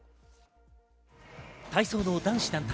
体操の男子団体。